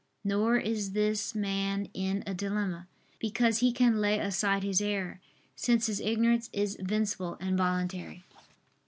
Nor is this man in a dilemma: because he can lay aside his error, since his ignorance is vincible and voluntary.